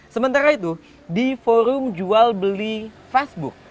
sementara itu di forum jual beli facebook